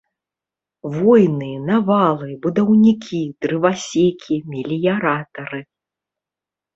Войны, навалы, будаўнікі, дрывасекі, мэліяратары.